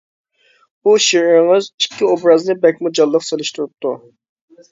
بۇ شېئىرىڭىز ئىككى ئوبرازنى بەكمۇ جانلىق سېلىشتۇرۇپتۇ.